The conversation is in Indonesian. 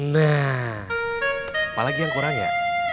nah apalagi yang kurang ya